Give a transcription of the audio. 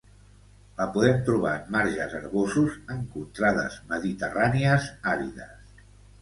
La podem trobar en marges herbosos en contrades mediterrànies àrides.